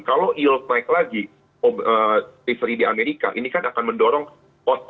kalau yield naik lagi treasury di amerika ini kan akan mendorong out of stock